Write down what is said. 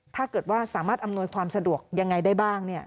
ถ้าเกิดว่าสามารถอำนวยความสะดวกยังไงได้บ้าง